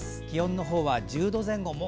気温のほうは１０度前後。